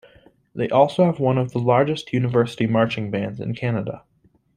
They also have one of the largest university marching bands in Canada.